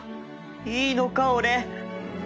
いいのか俺